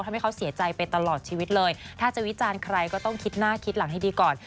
ทำให้เขาเสียใจไปตลอดชีวิตเลยถ้าจะวิจารณ์ใครก็ต้องคิดหน้าคิดหลังให้ดีก่อน